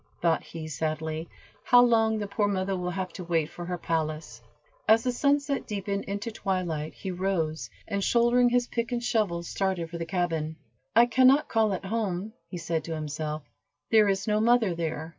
thought he, sadly, "how long the poor mother will have to wait for her palace." As the sunset deepened into twilight, he rose, and shouldering his pick and shovel, started for the cabin. "I can not call it home," he said to himself, "there is no mother there."